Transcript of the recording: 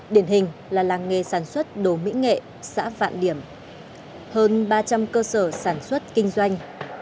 điển hình là làng nghề sản xuất đồ mỹ nghệ xã vạn điểm hơn ba trăm linh cơ sở sản xuất kinh doanh